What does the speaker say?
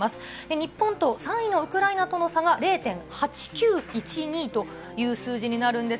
日本と３位のウクライナとの差は０．８９１２という数字になるんです。